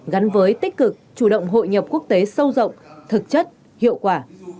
gắn với tích cực chủ động hội nhập quốc tế sâu rộng thực chất hiệu quả